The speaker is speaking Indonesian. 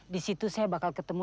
di situ saya bakal ketemu